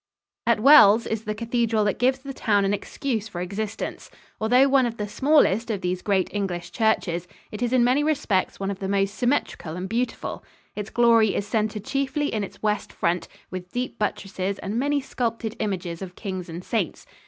] At Wells is the cathedral that gives the town an excuse for existence. Although one of the smallest of these great English churches, it is in many respects one of the most symmetrical and beautiful. Its glory is centered chiefly in its west front, with deep buttresses and many sculptured images of kings and saints.